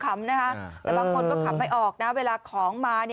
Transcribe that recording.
แต่บางคนต้องคำไม่ออกเวลาของมา